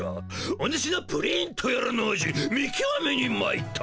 おぬしのプリンとやらの味見きわめにまいった。